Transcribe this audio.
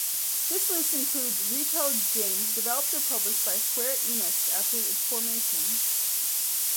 This list includes retail games developed or published by Square Enix after its formation.